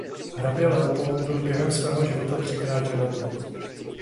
Hrabě Leopold byl během svého života třikrát ženatý.